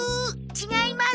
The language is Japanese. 違います。